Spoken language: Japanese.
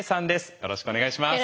よろしくお願いします。